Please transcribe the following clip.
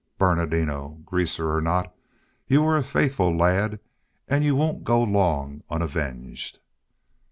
Bernardino, greaser or not, you were a faithful lad, and you won't go long unavenged."